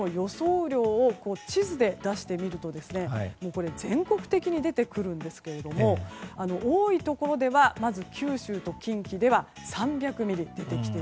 雨量を地図で出してみますと全国的に出てくるんですが多いところではまず九州と近畿では３００ミリ。